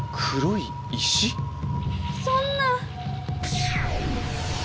そんな！